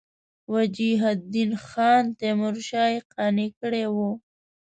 وجیه الدین خان تیمورشاه یې قانع کړی وو.